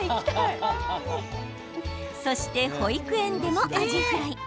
そして保育園でもアジフライ。